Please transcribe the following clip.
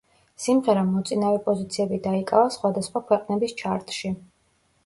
სიმღერამ მოწინავე პოზიციები დაიკავა სხვადასხვა ქვეყნების ჩარტში.